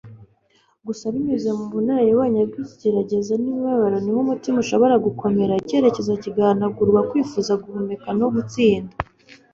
gusa binyuze mu bunararibonye bw'ikigeragezo n'imibabaro niho umutima ushobora gukomera, icyerekezo kigahanagurwa, kwifuza guhumeka, no gutsinda